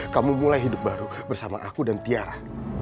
kamu mulai hidup baru bersama aku dan tiara